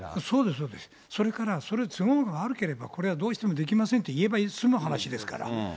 そうそう、それからそれが都合が悪ければ、これはどうしてもできませんって言えば済む話ですからね。